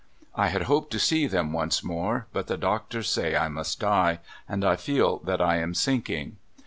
*' I had hoped to see them once more, but the doctors say I must die, and I feel that I am sink ing.